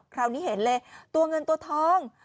คราวนี้เห็นเลยตัวเงินตัวทอง